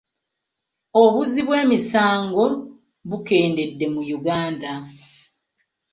Obuzzi bw'emisango bukendedde mu Uganda.